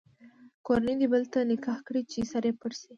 کورنۍ دې بل ته نکاح کړي چې سر یې پټ شي.